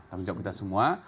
tanggung jawab kita semua